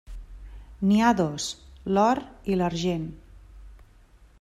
N'hi ha dos: l'or i l'argent.